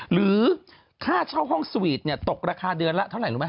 หรือค่าเช่าห้องสวีทตกราคาเดือนละเท่าไหร่รู้ไหม